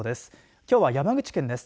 きょうは山口県です。